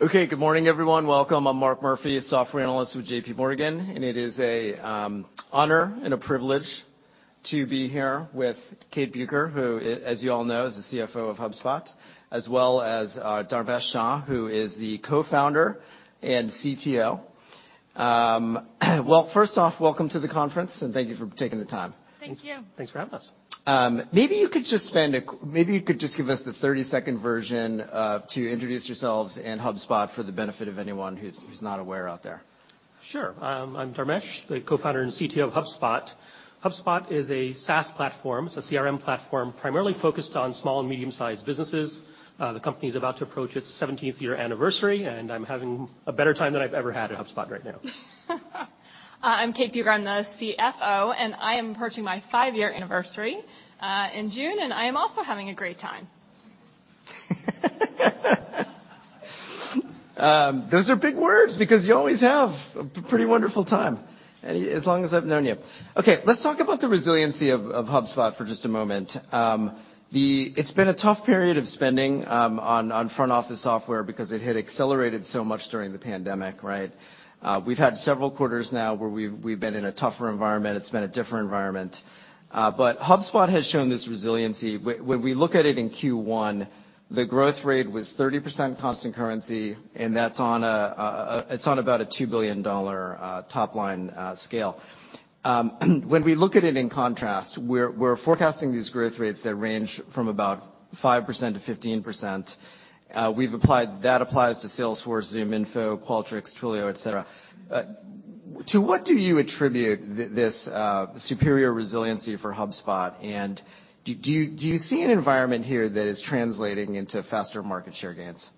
Okay, good morning, everyone. Welcome. I'm Mark Murphy, a software analyst with JPMorgan. It is a honor and a privilege to be here with Kate Bueker, who as you all know, is the CFO of HubSpot, as well as Dharmesh Shah, who is the Co-Founder and CTO. Well, first off, welcome to the conference and thank you for taking the time. Thank you. Thanks for having us. maybe you could just give us the 30-second version, to introduce yourselves and HubSpot for the benefit of anyone who's not aware out there. Sure. I'm Dharmesh, the Co-Founder and CTO of HubSpot. HubSpot is a SaaS platform. It's a CRM platform primarily focused on small and medium-sized businesses. The company is about to approach its 17th year anniversary, and I'm having a better time than I've ever had at HubSpot right now. I'm Kate Bueker. I'm the CFO, and I am approaching my five-year anniversary in June, and I am also having a great time. Those are big words because you always have a pretty wonderful time, as long as I've known you. Let's talk about the resiliency of HubSpot for just a moment. It's been a tough period of spending on front office software because it had accelerated so much during the pandemic, right? We've had several quarters now where we've been in a tougher environment. It's been a different environment. HubSpot has shown this resiliency. When we look at it in Q1, the growth rate was 30% constant currency, and that's on about a $2 billion top-line scale. When we look at it in contrast, we're forecasting these growth rates that range from about 5%-15%. That applies to Salesforce, ZoomInfo, Qualtrics, Twilio, et cetera. To what do you attribute this superior resiliency for HubSpot? Do you see an environment here that is translating into faster market share gains?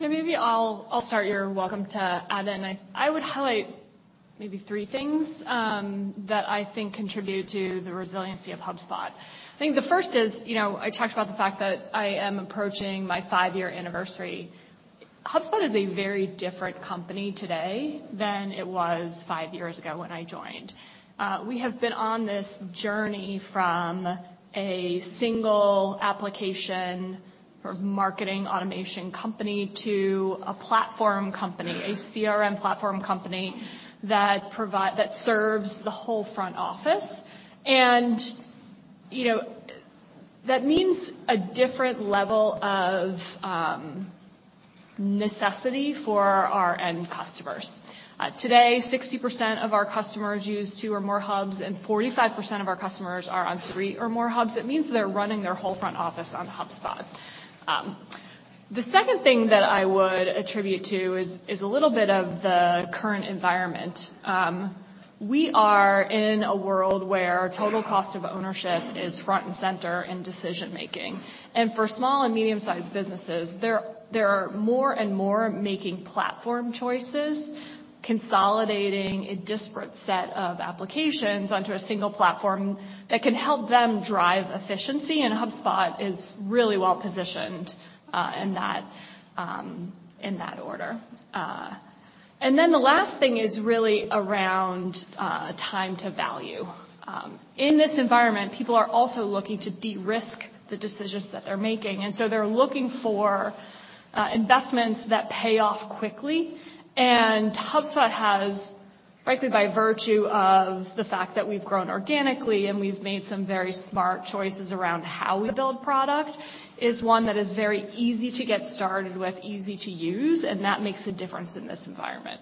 Yeah, maybe I'll start. You're welcome to add in. I would highlight maybe three things that I think contribute to the resiliency of HubSpot. I think the first is, you know, I talked about the fact that I am approaching my five-year anniversary. HubSpot is a very different company today than it was five years ago when I joined. We have been on this journey from a single application or marketing automation company to a platform company, a CRM platform company that serves the whole front office. You know, that means a different level of necessity for our end customers. Today, 60% of our customers use two or more hubs, and 45% of our customers are on three or more hubs. It means they're running their whole front office on HubSpot. The second thing that I would attribute to is a little bit of the current environment. We are in a world where total cost of ownership is front and center in decision-making. For small and medium-sized businesses, there are more and more making platform choices, consolidating a disparate set of applications onto a single platform that can help them drive efficiency, and HubSpot is really well-positioned in that, in that order. The last thing is really around time to value. In this environment, people are also looking to de-risk the decisions that they're making. So they're looking for investments that pay off quickly. HubSpot has, frankly, by virtue of the fact that we've grown organically and we've made some very smart choices around how we build product, is one that is very easy to get started with, easy to use, and that makes a difference in this environment.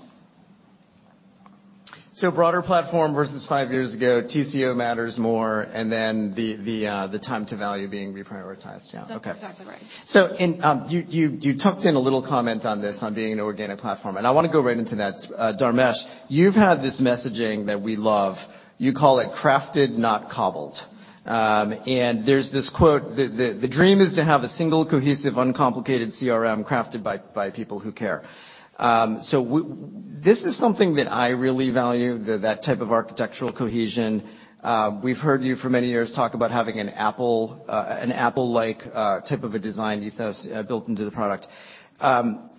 broader platform versus five years ago, TCO matters more, and then the, the time to value being reprioritized. Yeah. Okay. That's exactly right. You tucked in a little comment on this on being an organic platform, and I wanna go right into that. Dharmesh, you've had this messaging that we love. You call it crafted, not cobbled. There's this quote, "The dream is to have a single, cohesive, uncomplicated CRM crafted by people who care." This is something that I really value, that type of architectural cohesion. We've heard you for many years talk about having an Apple-like type of a design ethos built into the product. Can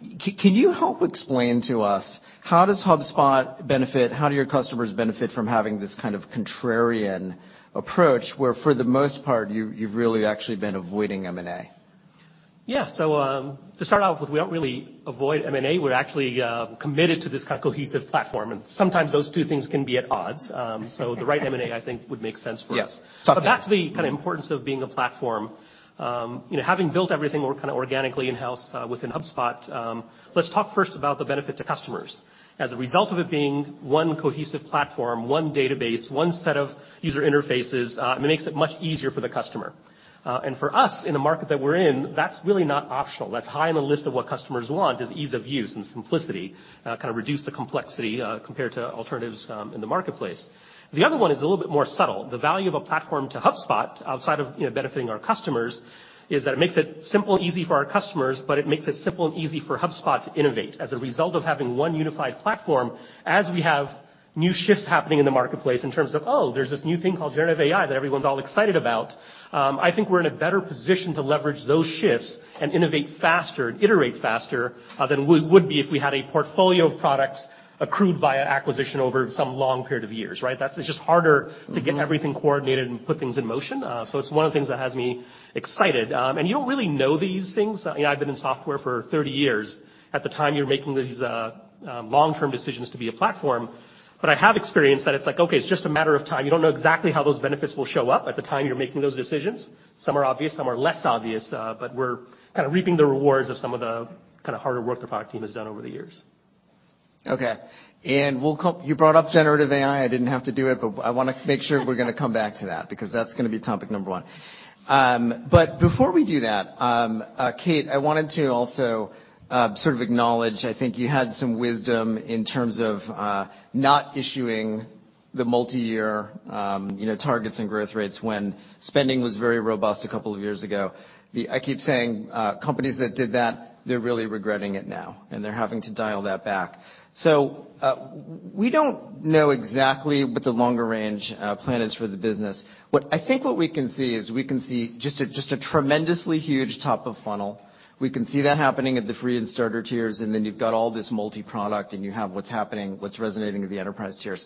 you help explain to us how does HubSpot benefit? How do your customers benefit from having this kind of contrarian approach, where for the most part, you've really actually been avoiding M&A? Yeah. To start out with, we don't really avoid M&A. We're actually committed to this kind of cohesive platform, and sometimes those two things can be at odds. The right M&A, I think, would make sense for us. Yes. Back to the kinda importance of being a platform, you know, having built everything or kinda organically in-house, within HubSpot, let's talk first about the benefit to customers. As a result of it being one cohesive platform, one database, one set of user interfaces, I mean, it makes it much easier for the customer. For us in the market that we're in, that's really not optional. That's high on the list of what customers want is ease of use and simplicity, kinda reduce the complexity, compared to alternatives, in the marketplace. The other one is a little bit more subtle. The value of a platform to HubSpot, outside of, you know, benefiting our customers, is that it makes it simple and easy for our customers, but it makes it simple and easy for HubSpot to innovate. As a result of having one unified platform, new shifts happening in the marketplace in terms of, oh, there's this new thing called generative AI that everyone's all excited about. I think we're in a better position to leverage those shifts and innovate faster and iterate faster than we would be if we had a portfolio of products accrued via acquisition over some long period of years, right? It's just harder. to get everything coordinated and put things in motion. It's one of the things that has me excited. You don't really know these things. You know, I've been in software for 30 years. At the time you're making these long-term decisions to be a platform, I have experienced that it's like, okay, it's just a matter of time. You don't know exactly how those benefits will show up at the time you're making those decisions. Some are obvious, some are less obvious, but we're kind of reaping the rewards of some of the kind of harder work the product team has done over the years. Okay, You brought up generative AI. I didn't have to do it, but I wanna make sure we're gonna come back to that because that's gonna be topic number one. Before we do that, Kate, I wanted to also sort of acknowledge, I think you had some wisdom in terms of not issuing the multiyear, you know, targets and growth rates when spending was very robust a couple of years ago. I keep saying companies that did that, they're really regretting it now, and they're having to dial that back. We don't know exactly what the longer range plan is for the business. I think what we can see is we can see just a tremendously huge top of funnel. We can see that happening at the free and starter tiers, and then you've got all this multi-product, and you have what's happening, what's resonating with the enterprise tiers.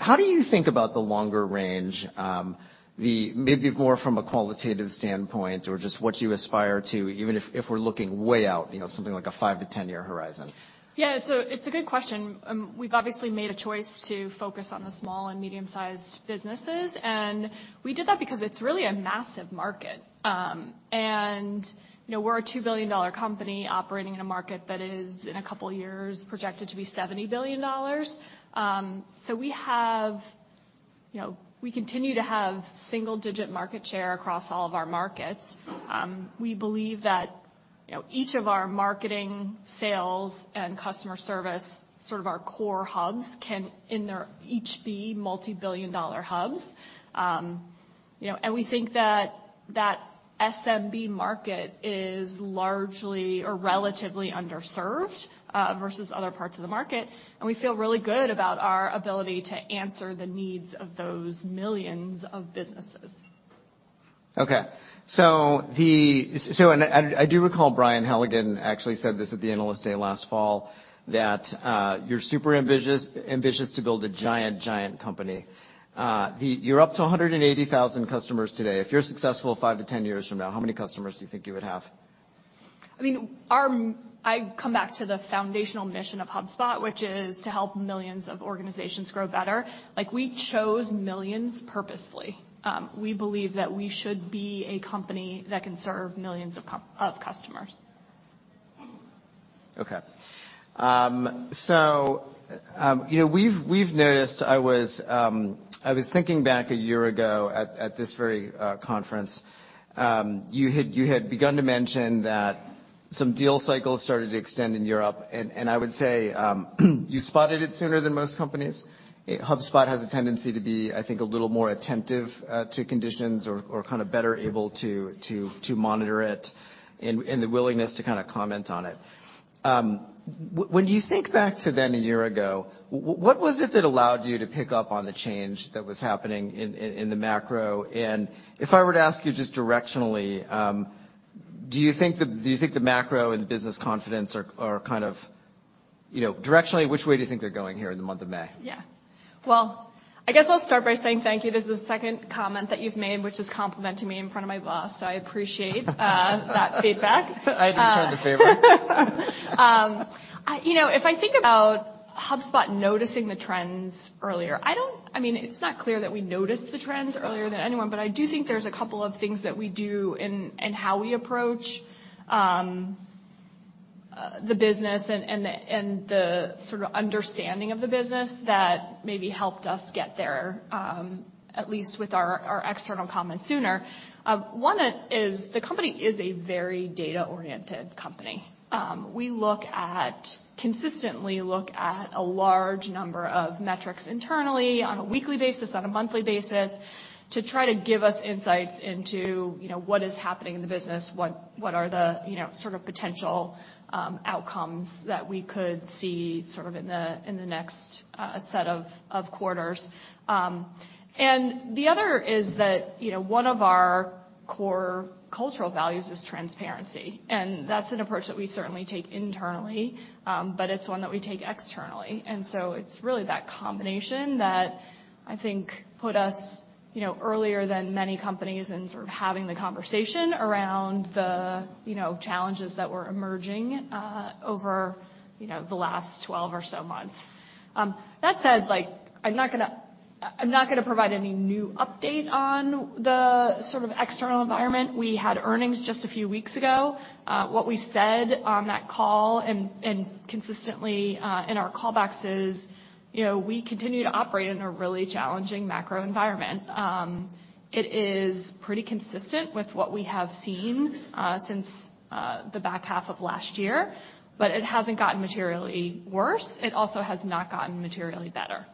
How do you think about the longer range, the maybe more from a qualitative standpoint or just what you aspire to, even if we're looking way out, you know, something like a 5 to 10-year horizon? Yeah. It's a good question. We've obviously made a choice to focus on the small and medium-sized businesses, and we did that because it's really a massive market. You know, we're a $2 billion company operating in a market that is, in a couple of years, projected to be $70 billion. We have, you know, we continue to have single-digit market share across all of our markets. We believe that, you know, each of our marketing, sales, and customer service, sort of our core hubs, can each be multi-billion dollar hubs. You know, we think that that SMB market is largely or relatively underserved versus other parts of the market, and we feel really good about our ability to answer the needs of those millions of businesses. I do recall Brian Halligan actually said this at the analyst day last fall, that, you're super ambitious to build a giant company. You're up to 180,000 customers today. If you're successful 5 to 10 years from now, how many customers do you think you would have? I mean, I come back to the foundational mission of HubSpot, which is to help millions of organizations grow better. Like, we chose millions purposefully. We believe that we should be a company that can serve millions of customers. Okay. You know, we've noticed I was thinking back a year ago at this very conference, you had begun to mention that some deal cycles started to extend in Europe. I would say, I spotted it sooner than most companies. HubSpot has a tendency to be, I think, a little more attentive to conditions or kind of better able to monitor it and the willingness to kind of comment on it. When you think back to then a year ago, what was it that allowed you to pick up on the change that was happening in the macro? If I were to ask you just directionally, do you think the macro and business confidence are kind of, you know, directionally, which way do you think they're going here in the month of May? Yeah. Well, I guess I'll start by saying thank you. This is the second comment that you've made, which is complimenting me in front of my boss, so that feedback. I return the favor. You know, if I think about HubSpot noticing the trends earlier, I mean, it's not clear that we noticed the trends earlier than anyone, but I do think there's a couple of things that we do in how we approach the business and the sort of understanding of the business that maybe helped us get there, at least with our external comments sooner. One is the company is a very data-oriented company. We consistently look at a large number of metrics internally on a weekly basis, on a monthly basis, to try to give us insights into, you know, what is happening in the business, what are the, you know, sort of potential outcomes that we could see sort of in the next set of quarters. The other is that, you know, one of our core cultural values is transparency, and that's an approach that we certainly take internally, but it's one that we take externally. It's really that combination that I think put us, you know, earlier than many companies in sort of having the conversation around the, you know, challenges that were emerging over, you know, the last 12 or so months. That said, like, I'm not gonna provide any new update on the sort of external environment. We had earnings just a few weeks ago. What we said on that call and consistently in our call backs is, you know, we continue to operate in a really challenging macro environment. It is pretty consistent with what we have seen since the back half of last year. It hasn't gotten materially worse. It also has not gotten materially better.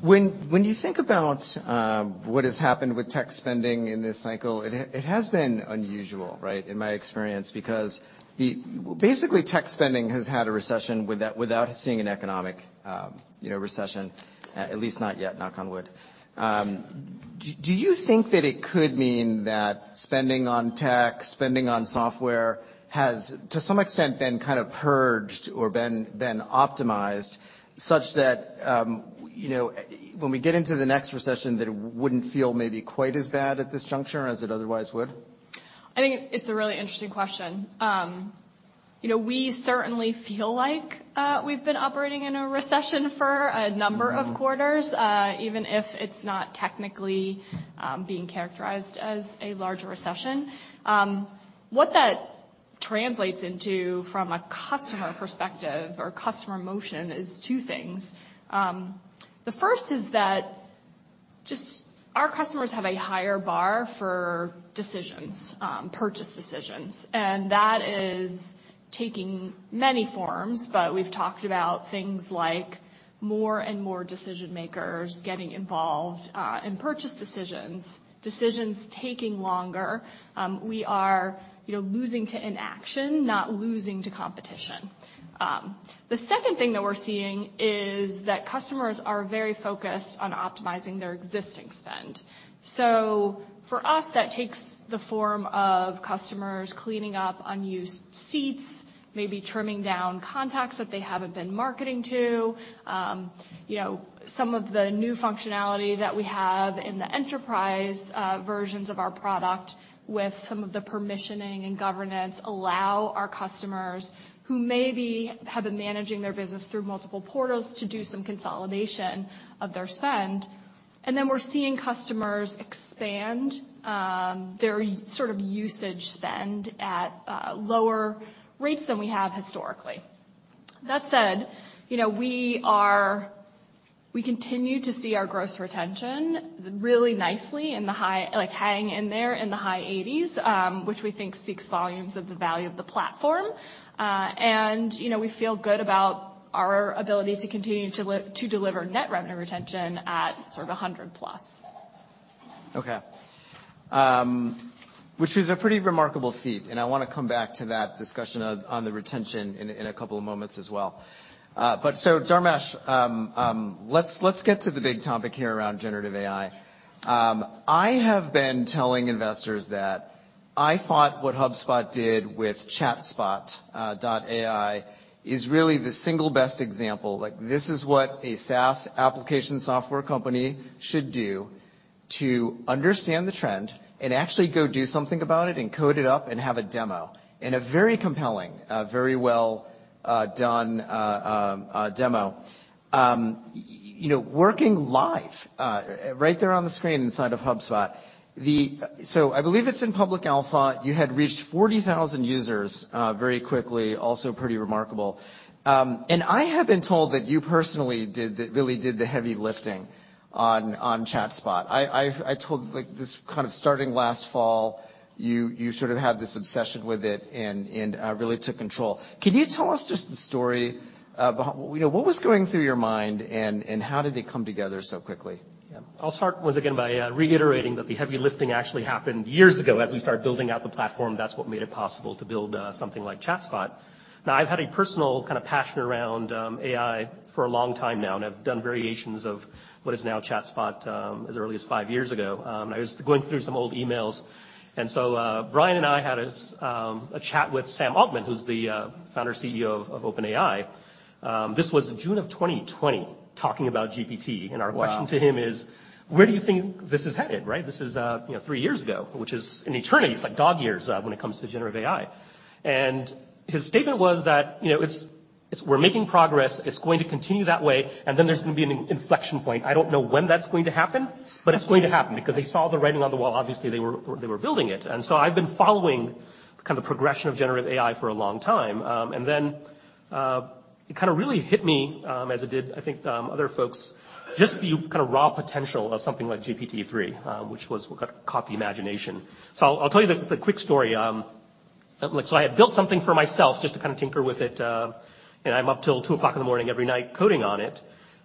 When you think about what has happened with tech spending in this cycle, it has been unusual, right? In my experience. Basically, tech spending has had a recession without seeing an economic, you know, recession, at least not yet, knock on wood. Do you think that it could mean that spending on tech, spending on software has to some extent been kind of purged or been optimized, such that, you know, when we get into the next recession that it wouldn't feel maybe quite as bad at this juncture as it otherwise would? I think it's a really interesting question. you know, we certainly feel like we've been operating in a recession for quarters, even if it's not technically being characterized as a larger recession. What that translates into from a customer perspective or customer motion is two things. The first is that just our customers have a higher bar for decisions, purchase decisions, and that is taking many forms, but we've talked about things like more and more decision makers getting involved in purchase decisions taking longer. We are, you know, losing to inaction, not losing to competition. The second thing that we're seeing is that customers are very focused on optimizing their existing spend. For us, that takes the form of customers cleaning up unused seats, maybe trimming down contacts that they haven't been marketing to. you know, some of the new functionality that we have in the enterprise versions of our product with some of the permissioning and governance allow our customers who maybe have been managing their business through multiple portals to do some consolidation of their spend. Then we're seeing customers expand their sort of usage spend at lower rates than we have historically. That said, you know, we continue to see our gross retention really nicely in the high, like, hanging in there in the high 80s, which we think speaks volumes of the value of the platform. You know, we feel good about our ability to continue to deliver net revenue retention at sort of a 100+. Okay. Which is a pretty remarkable feat, and I wanna come back to that discussion of, on the retention in a couple of moments as well. Dharmesh, let's get to the big topic here around generative AI. I have been telling investors that I thought what HubSpot did with ChatSpot.ai, is really the single best example. Like, this is what a SaaS application software company should do to understand the trend and actually go do something about it and code it up and have a demo. A very compelling, a very well done demo. You know, working live right there on the screen inside of HubSpot. I believe it's in public alpha, you had reached 40,000 users very quickly, also pretty remarkable. I have been told that you personally really did the heavy lifting on ChatSpot. I told like this, kind of starting last fall, you sort of had this obsession with it and really took control. Can you tell us just the story of... You know, what was going through your mind and how did it come together so quickly? Yeah. I'll start once again by reiterating that the heavy lifting actually happened years ago as we started building out the platform. That's what made it possible to build something like ChatSpot. Now, I've had a personal kind of passion around AI for a long time now, and I've done variations of what is now ChatSpot as early as five years ago. I was going through some old emails, Brian and I had a chat with Sam Altman, who's the founder, CEO of OpenAI. This was June of 2020, talking about GPT. Wow. Our question to him is: Where do you think this is headed, right? This is, you know, 3 years ago, which is an eternity. It's like dog years when it comes to generative AI. His statement was that, you know, it's, "We're making progress. It's going to continue that way, and then there's gonna be an inflection point. I don't know when that's going to happen, but it's going to happen." Because they saw the writing on the wall. Obviously they were building it. I've been following the kind of progression of generative AI for a long time. It kinda really hit me as it did, I think, other folks, just the kind of raw potential of something like GPT-3, which was what caught the imagination. I'll tell you the quick story. I had built something for myself just to kind of tinker with it, and I'm up till two o'clock in the morning every night coding on it.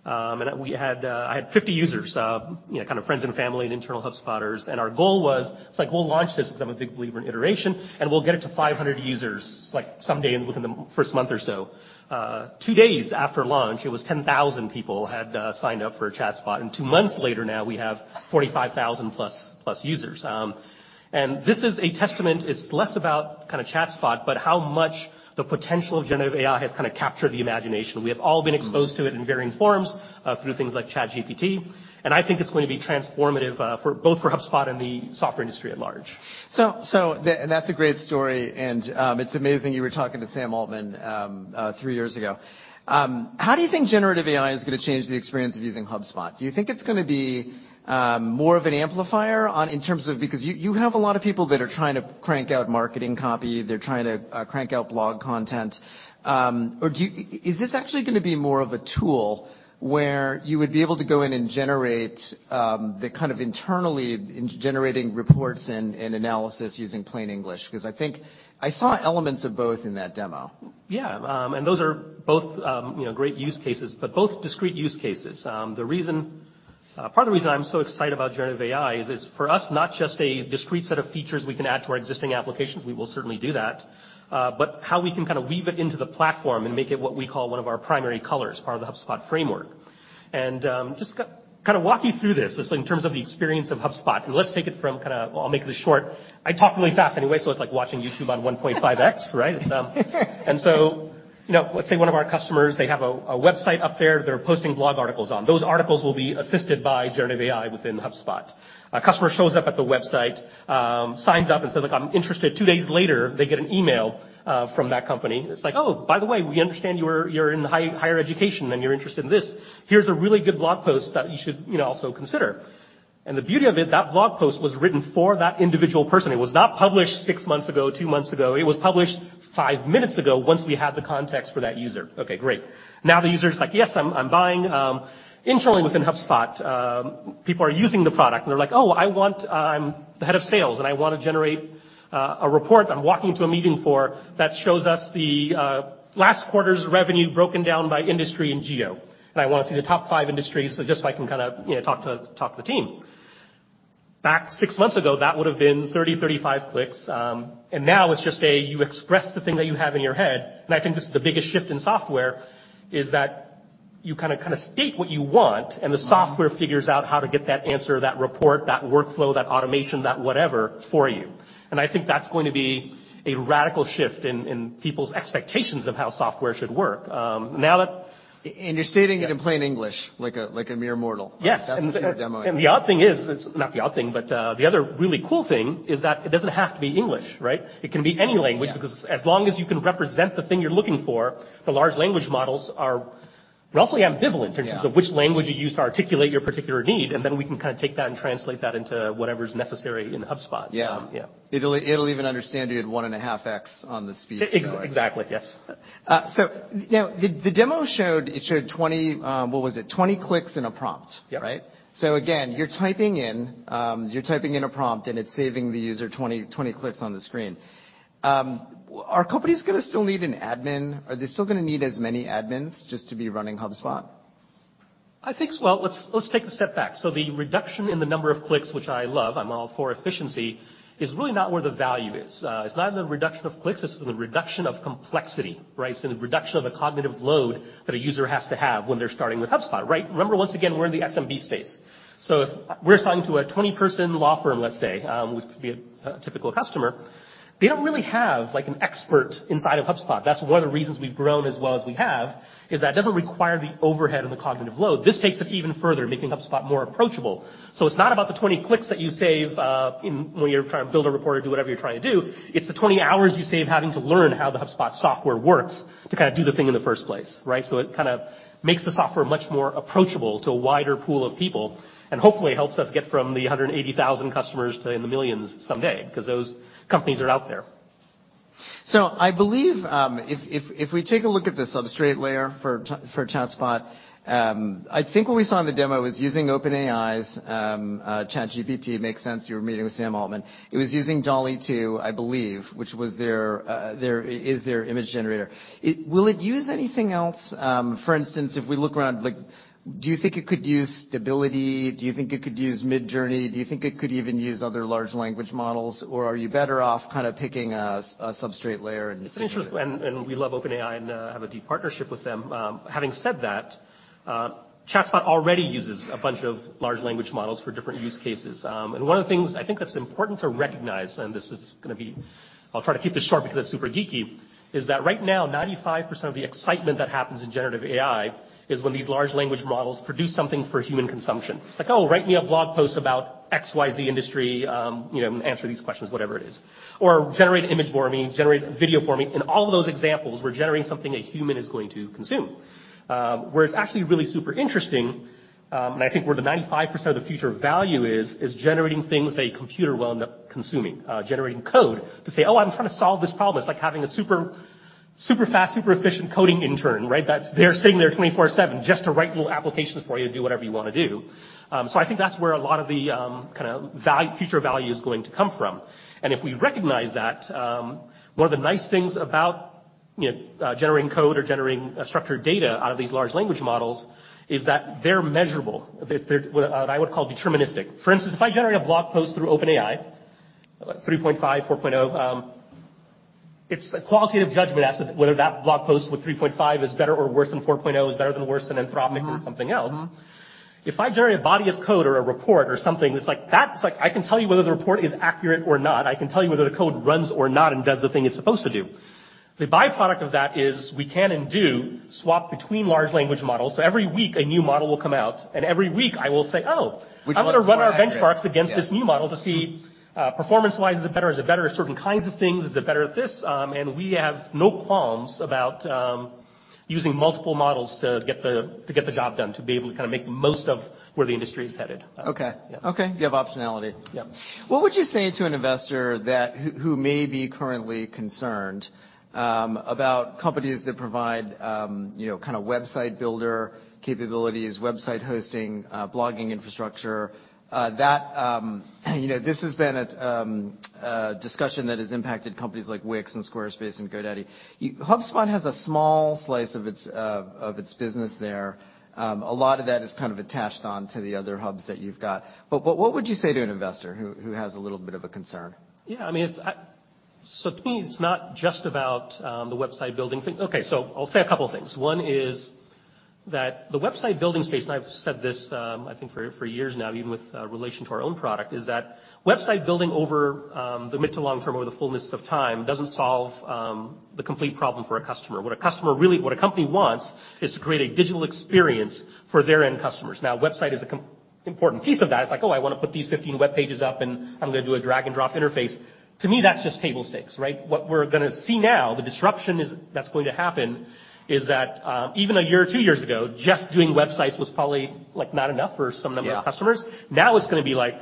And we had I had 50 users, you know, kind of friends and family and internal HubSpotters, and our goal was, it's like, we'll launch this because I'm a big believer in iteration, and we'll get it to 500 users, like, someday within the first month or so. Two days after launch, it was 10,000 people had signed up for ChatSpot, and two months later now, we have 45,000+ users. And this is a testament, it's less about kinda ChatSpot, but how much the potential of generative AI has kinda captured the imagination. We have all been exposed to it in varying forms, through things like ChatGPT, and I think it's going to be transformative, for both for HubSpot and the software industry at large. That's a great story, and it's amazing you were talking to Sam Altman 3 years ago. How do you think generative AI is gonna change the experience of using HubSpot? Do you think it's gonna be more of an amplifier? Because you have a lot of people that are trying to crank out marketing copy, they're trying to crank out blog content. Is this actually gonna be more of a tool where you would be able to go in and generate the kind of internally generating reports and analysis using plain English? Because I think I saw elements of both in that demo. Yeah. Those are both, you know, great use cases, but both discrete use cases. The reason part of the reason I'm so excited about generative AI is for us, not just a discrete set of features we can add to our existing applications, we will certainly do that, but how we can kinda weave it into the platform and make it what we call one of our Primary Colors, part of the HubSpot framework. Just kinda walk you through this, just in terms of the experience of HubSpot, and let's take it from kinda. I'll make this short. I talk really fast anyway, so it's like watching YouTube on 1.5x, right? It's. You know, let's say one of our customers, they have a website up there they're posting blog articles on. Those articles will be assisted by generative AI within HubSpot. A customer shows up at the website, signs up and says like, "I'm interested." Two days later, they get an email from that company. It's like, "Oh, by the way, we understand you're in higher education, and you're interested in this. Here's a really good blog post that you should, you know, also consider." The beauty of it, that blog post was written for that individual person. It was not published six months ago, two months ago. It was published five minutes ago once we had the context for that user. Okay, great. Now the user is like, "Yes, I'm buying." Internally within HubSpot, people are using the product, and they're like, "Oh, I want. I'm the head of sales, I wanna generate a report I'm walking into a meeting for that shows us the last quarter's revenue broken down by industry and geo. I wanna see the top five industries so just so I can kinda, you know, talk to the team. Back six months ago, that would have been 30-35 clicks. Now it's just a, you express the thing that you have in your head, and I think this is the biggest shift in software, is that you kinda state what you want. The software figures out how to get that answer, that report, that workflow, that automation, that whatever for you. I think that's going to be a radical shift in people's expectations of how software should work. You're stating it in plain English like a mere mortal. Yes. That's what you were demoing. Not the odd thing, but the other really cool thing is that it doesn't have to be English, right? It can be any language... Oh, yeah. As long as you can represent the thing you're looking for, the large language models are roughly ambivalent. Yeah. in terms of which language you use to articulate your particular need, and then we can kinda take that and translate that into whatever's necessary in HubSpot. Yeah. Yeah. It'll even understand you at one and a half X on the speech though. Exactly, yes. Now the demo showed, it showed 20, what was it? 20 clicks and a prompt. Yeah. Right? Again, you're typing in a prompt, and it's saving the user 20 clicks on the screen. Are companies gonna still need an admin? Are they still gonna need as many admins just to be running HubSpot? I think so. Let's take a step back. The reduction in the number of clicks, which I love, I'm all for efficiency, is really not where the value is. It's not in the reduction of clicks, it's in the reduction of complexity, right? It's in the reduction of the cognitive load that a user has to have when they're starting with HubSpot, right? Remember, once again, we're in the SMB space. If we're selling to a 20-person law firm, let's say, which could be a typical customer, they don't really have like an expert inside of HubSpot. That's one of the reasons we've grown as well as we have, is that it doesn't require the overhead and the cognitive load. This takes it even further, making HubSpot more approachable. It's not about the 20 clicks that you save, in when you're trying to build a report or do whatever you're trying to do, it's the 20 hours you save having to learn how the HubSpot software works to kinda do the thing in the first place, right? It kinda makes the software much more approachable to a wider pool of people, and hopefully helps us get from the 180,000 customers to in the millions someday, 'cause those companies are out there. I believe, if we take a look at the substrate layer for ChatSpot, I think what we saw in the demo is using OpenAI's ChatGPT. Makes sense, you were meeting with Sam Altman. It was using DALL-E 2, I believe, which was their image generator. Will it use anything else? For instance, if we look around, like, do you think it could use Stability? Do you think it could use Midjourney? Do you think it could even use other large language models, or are you better off kinda picking a substrate layer and sticking to it? We love OpenAI and have a deep partnership with them. Having said that, ChatSpot already uses a bunch of large language models for different use cases. One of the things I think that's important to recognize, and this is gonna be, I'll try to keep this short because it's super geeky, is that right now, 95% of the excitement that happens in generative AI is when these large language models produce something for human consumption. It's like, "Oh, write me a blog post about X, Y, Z industry, you know, and answer these questions," whatever it is. Or, "Generate an image for me, generate a video for me." In all of those examples, we're generating something a human is going to consume. Where it's actually really super interesting, and I think where the 95% of the future value is generating things a computer will end up consuming. Generating code to say, "Oh, I'm trying to solve this problem." It's like having a super fast, super efficient coding intern, right? They're sitting there 24/7 just to write little applications for you to do whatever you wanna do. I think that's where a lot of the, kinda value, future value is going to come from. If we recognize that, one of the nice things about, you know, generating code or generating, structured data out of these large language models is that they're measurable. They're what I would call deterministic. For instance, if I generate a blog post through OpenAI, 3.5, 4.0, it's a qualitative judgment as to whether that blog post with 3.5 is better or worse than 4.0, is better than worse than Anthropic something else. If I generate a body of code or a report or something that's like that, it's like I can tell you whether the report is accurate or not. I can tell you whether the code runs or not and does the thing it's supposed to do. The byproduct of that is we can and do swap between large language models. Every week, a new model will come out, and every week, I will say, "Oh... Which one's better? Yeah. I'm gonna run our benchmarks against this new model to see, performance-wise, is it better? Is it better at certain kinds of things? Is it better at this? We have no qualms about using multiple models to get the job done, to be able to kind of make the most of where the industry is headed. Okay. Yeah. Okay. You have optionality. Yeah. What would you say to an investor that who may be currently concerned, you know, kinda website builder capabilities, website hosting, blogging infrastructure? That, you know, this has been a discussion that has impacted companies like Wix and Squarespace and GoDaddy. HubSpot has a small slice of its of its business there. A lot of that is kind of attached on to the other hubs that you've got. What would you say to an investor who has a little bit of a concern? Yeah, I mean, it's. To me, it's not just about the website building thing. Okay, I'll say a couple things. One is that the website building space, and I've said this, I think for years now, even with relation to our own product, is that website building over the mid to long term or the fullness of time doesn't solve the complete problem for a customer. What a company wants is to create a digital experience for their end customers. Now, website is a important piece of that. It's like, "Oh, I wanna put these 15 web pages up, and I'm gonna do a drag and drop interface." To me, that's just table stakes, right? What we're gonna see now, the disruption that's going to happen, is that even a year or 2 years ago, just doing websites was probably, like, not enough for some. Yeah ...of customers. Now it's gonna be like,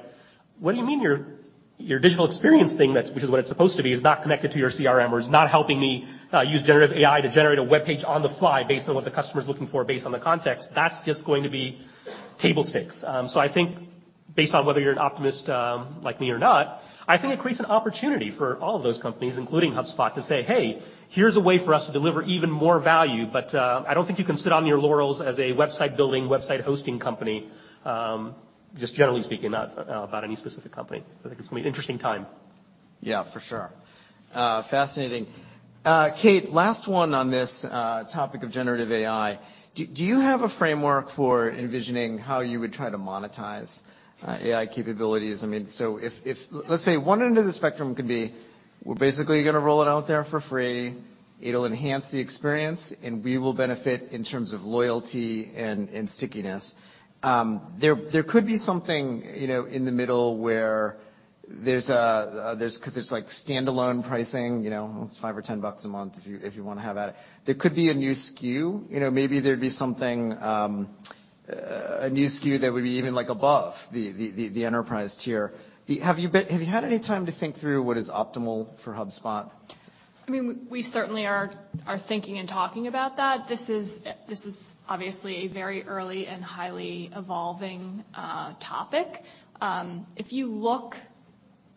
"What do you mean your digital experience thing that's..." which is what it's supposed to be, "is not connected to your CRM or is not helping me use generative AI to generate a webpage on the fly based on what the customer's looking for based on the context?" That's just going to be table stakes. I think based on whether you're an optimist, like me or not, I think it creates an opportunity for all of those companies, including HubSpot, to say, "Hey, here's a way for us to deliver even more value." I don't think you can sit on your laurels as a website-building, website-hosting company, just generally speaking, not about any specific company. I think it's gonna be an interesting time. Yeah, for sure. fascinating. Kate, last one on this topic of generative AI. Do you have a framework for envisioning how you would try to monetize AI capabilities? I mean, so if, let's say one end of the spectrum could be, we're basically gonna roll it out there for free. It'll enhance the experience, and we will benefit in terms of loyalty and stickiness. There could be something, you know, in the middle where there's a, there's like standalone pricing. You know, it's $5 or $10 a month if you, if you wanna have at it. There could be a new SKU. You know, maybe there'd be something, a new SKU that would be even like above the enterprise tier. Have you had any time to think through what is optimal for HubSpot? I mean, we certainly are thinking and talking about that. This is obviously a very early and highly evolving topic. If you look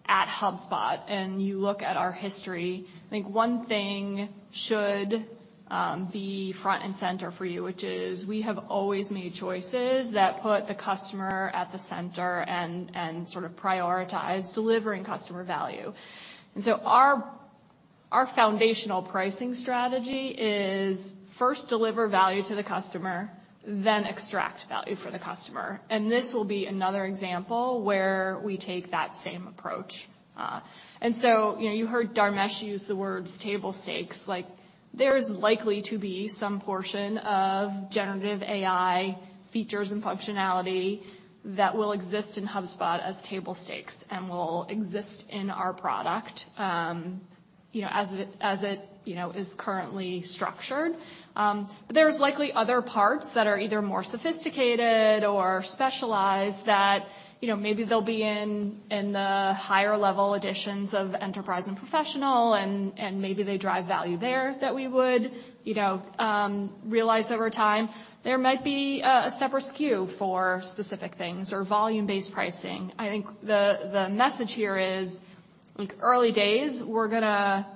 at HubSpot, and you look at our history, I think one thing should be front and center for you, which is we have always made choices that put the customer at the center and sort of prioritize delivering customer value. Our foundational pricing strategy is first deliver value to the customer, then extract value from the customer, and this will be another example where we take that same approach. You know, you heard Dharmesh use the words table stakes. There is likely to be some portion of generative AI features and functionality that will exist in HubSpot as table stakes and will exist in our product, you know, as it, you know, is currently structured. There's likely other parts that are either more sophisticated or specialized that, you know, maybe they'll be in the higher-level editions of Enterprise and Professional, and maybe they drive value there that we would, you know, realize over time. There might be a separate SKU for specific things or volume-based pricing. I think the message here is like early days, we're gonna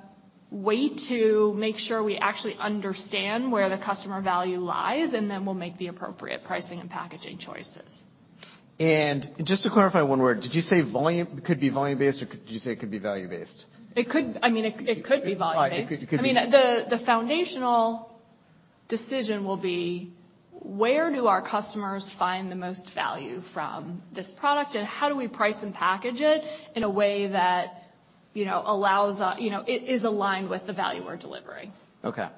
wait to make sure we actually understand where the customer value lies, and then we'll make the appropriate pricing and packaging choices. Just to clarify one word, did you say could be volume-based, or did you say it could be value-based? It could, I mean, it could be volume-based. It could be. I mean, the foundational decision will be: Where do our customers find the most value from this product? And how do we price and package it in a way that, you know, allows, you know, it is aligned with the value we're delivering? Okay.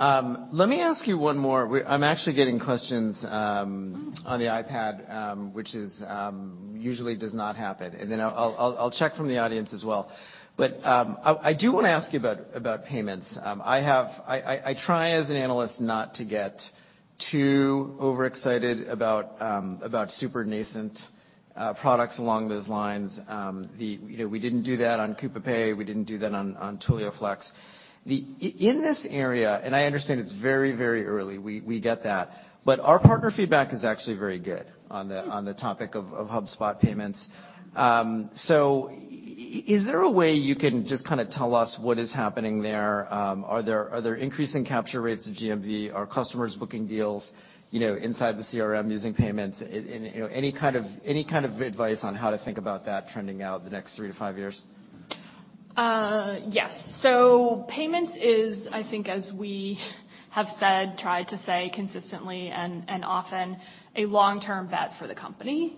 Let me ask you one more. I'm actually getting questions. on the iPad, which is usually does not happen. I'll check from the audience as well. I do wanna ask you about payments. I try as an analyst not to get too overexcited about super nascent products along those lines. You know, we didn't do that on Coupa Pay. We didn't do that on Twilio Flex. In this area, and I understand it's very early, we get that, but our partner feedback is actually very good on the topic of HubSpot payments. Is there a way you can just kinda tell us what is happening there? Are there increasing capture rates of GMV? Are customers booking deals, you know, inside the CRM using payments? Any kind of advice on how to think about that trending out the next 3 to 5 years? Yes. Payments is, I think as we have said, tried to say consistently and often, a long-term bet for the company.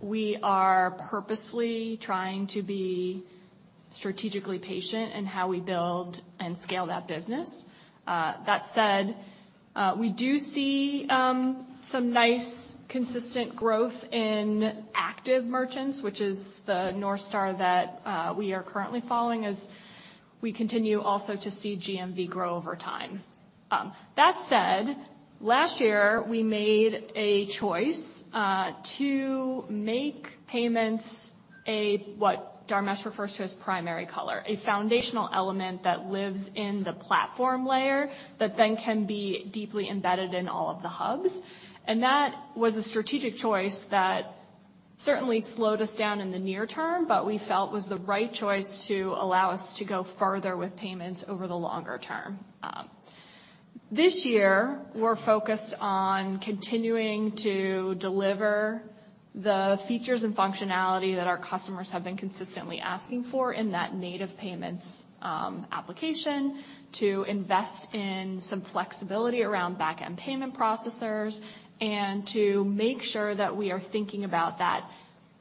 We are purposely trying to be strategically patient in how we build and scale that business. That said, we do see some nice consistent growth in active merchants, which is the North Star that we are currently following as we continue also to see GMV grow over time. That said, last year we made a choice to make payments a, what Dharmesh refers to as Primary Color, a foundational element that lives in the platform layer that then can be deeply embedded in all of the hubs. That was a strategic choice that certainly slowed us down in the near term, but we felt was the right choice to allow us to go further with payments over the longer term. This year we're focused on continuing to deliver the features and functionality that our customers have been consistently asking for in that native payments, application to invest in some flexibility around back-end payment processors and to make sure that we are thinking about that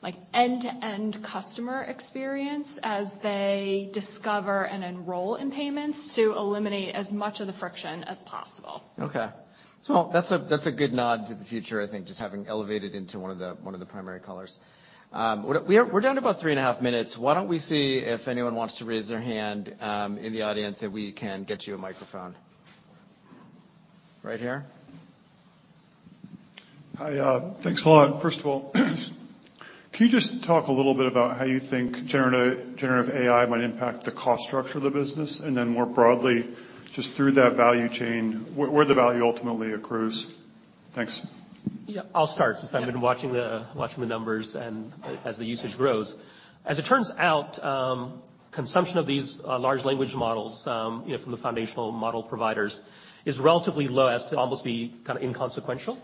like end-to-end customer experience as they discover and enroll in payments to eliminate as much of the friction as possible. That's a good nod to the future, I think just having elevated into one of the Primary Colors. We're down to about 3.5 minutes. Why don't we see if anyone wants to raise their hand in the audience, and we can get you a microphone. Right here. Hiya. Thanks a lot. First of all, can you just talk a little bit about how you think generative AI might impact the cost structure of the business, and then more broadly, just through that value chain, where the value ultimately accrues? Thanks. Yeah. I'll start since I've been watching the numbers and as the usage grows. As it turns out, consumption of these large language models, you know, from the foundational model providers is relatively low as to almost be kinda inconsequential.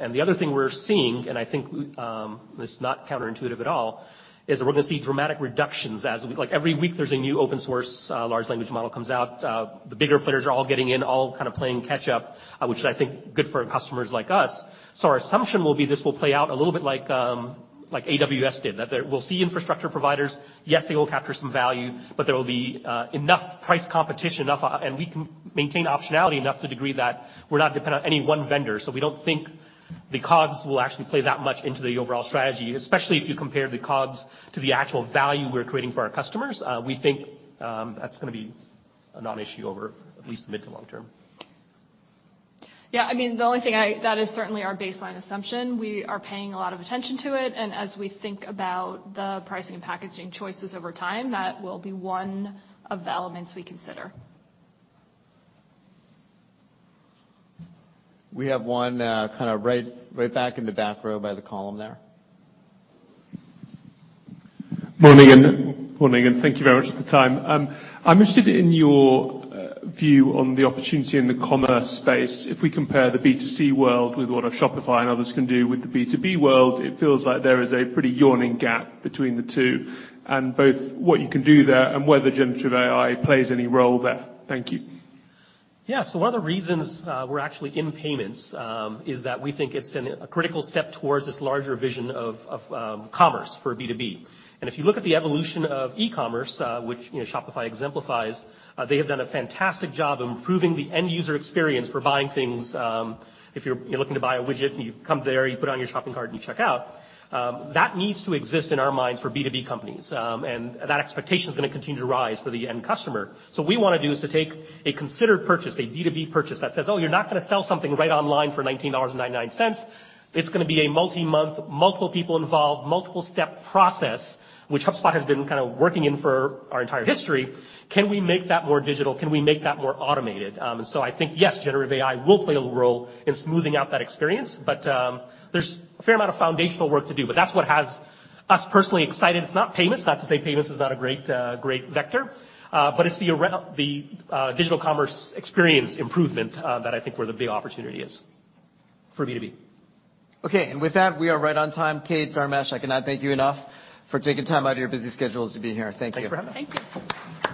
And the other thing we're seeing, and I think, this is not counterintuitive at all, is we're gonna see dramatic reductions as... Like every week there's a new open source large language model comes out. The bigger players are all getting in, all kind of playing catch up, which I think good for customers like us. Our assumption will be this will play out a little bit like AWS did. That there... We'll see infrastructure providers. Yes, they will capture some value, but there will be enough price competition, enough. We can maintain optionality enough to the degree that we're not dependent on any one vendor. We don't think the COGS will actually play that much into the overall strategy, especially if you compare the COGS to the actual value we're creating for our customers. We think that's gonna be a non-issue over at least mid to long term. Yeah. I mean, the only thing. That is certainly our baseline assumption. We are paying a lot of attention to it. As we think about the pricing and packaging choices over time, that will be one of the elements we consider. We have one, kinda right back in the back row by the column there. Morning, thank you very much for the time. I'm interested in your view on the opportunity in the commerce space. If we compare the B2C world with what a Shopify and others can do with the B2B world, it feels like there is a pretty yawning gap between the two, and both what you can do there and whether generative AI plays any role there. Thank you. Yeah. One of the reasons we're actually in payments is that we think it's a critical step towards this larger vision of commerce for B2B. If you look at the evolution of e-commerce, which, you know Shopify exemplifies, they have done a fantastic job improving the end user experience for buying things. If you're looking to buy a widget, and you come there, you put it on your shopping cart, and you check out, that needs to exist in our minds for B2B companies. That expectation is gonna continue to rise for the end customer. We wanna do is to take a considered purchase, a B2B purchase that says, "Oh, you're not gonna sell something right online for $19.99. It's gonna be a multi-month, multiple people involved, multiple step process, which HubSpot has been kinda working in for our entire history. Can we make that more digital? Can we make that more automated? I think, yes, generative AI will play a role in smoothing out that experience, but there's a fair amount of foundational work to do. That's what has us personally excited. It's not payments. Not to say payments is not a great vector, but it's the digital commerce experience improvement that I think where the big opportunity is for B2B. Okay. With that, we are right on time. Kate, Dharmesh, I cannot thank you enough for taking time out of your busy schedules to be here. Thank you. Thank you for having us. Thank you.